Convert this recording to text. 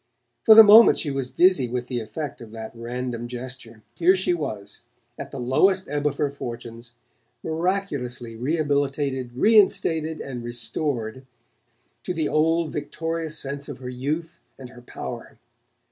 For the moment she was dizzy with the effect of that random gesture. Here she was, at the lowest ebb of her fortunes, miraculously rehabilitated, reinstated, and restored to the old victorious sense of her youth and her power!